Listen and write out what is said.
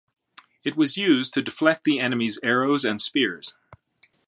It was used to deflect the enemy’s arrows and spears.